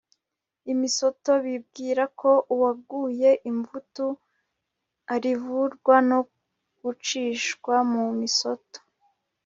Imisoto bibwira ko uwaguye ivutu arivurwa no gucishwa mu misoto